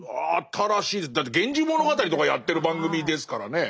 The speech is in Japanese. だって「源氏物語」とかやってる番組ですからね。